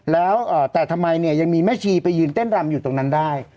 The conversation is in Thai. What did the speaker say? แล้วแต่ทำไมเนี่ยยังมีแม่ชีไปยืนเต้นรำอยู่ตรงนั้นได้